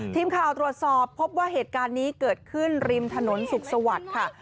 ทีมข่าวตรวจสอบพบว่าเหตุการณ์นี้เกิดขึ้นริมถนนสุขสวัสดิ์ค่ะ